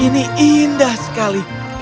ini indah sekali